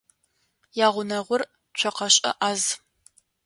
Ягъунэгъур цокъэшӏэ ӏаз.